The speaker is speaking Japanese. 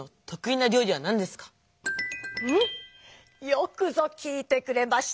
よくぞ聞いてくれました。